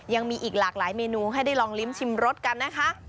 ยังมีอีกหลากหลายเมนูให้ได้ลองลิ้มชิมรสกันนะคะ